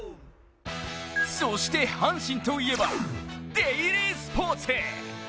そして阪神と言えば「デイリースポーツ」。